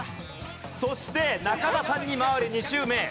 そして中田さんに回り２周目。